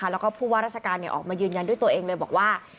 แล้วก็ผู้ว่าราชการออกมายืนยันด้วยตัวเองเลยบอกว่า